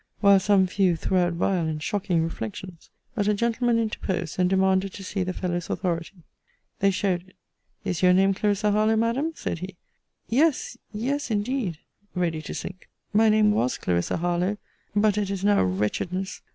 While some few threw out vile and shocking reflections! But a gentleman interposed, and demanded to see the fellow's authority. They showed it. Is your name Clarissa Harlowe, Madam? said he. Yes, yes, indeed, ready to sink, my name was Clarissa Harlowe: but it is now Wretchedness!